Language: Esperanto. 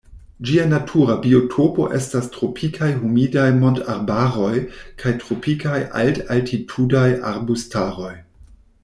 Ĝia natura biotopo estas tropikaj humidaj montarbaroj kaj tropikaj alt-altitudaj arbustaroj.